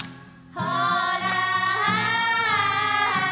ほら